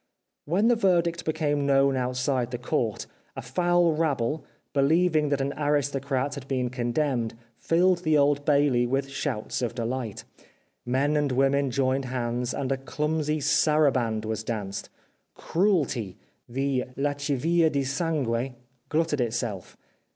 When the verdict became known outside the 368 The Life of Oscar Wilde court, a foul rabble, believing that an aristocrat had been condemned, filled the Old Bailey with shouts of dehght. Men and women joined hands, and a clumsy saraband was danced. Cruelty, the lascivia di sangue, glutted itself.